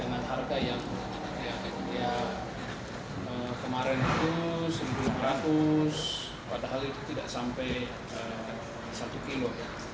dengan harga yang dia kemarin itu rp sembilan ratus padahal itu tidak sampai satu kilo